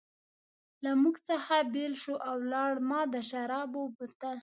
له موږ څخه بېل شو او ولاړ، ما د شرابو بوتل.